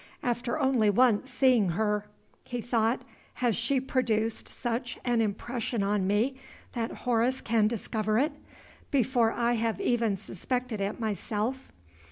"After only once seeing her," he thought, "has she produced such an impression on me that Horace can discover it, before I have even suspected it myself?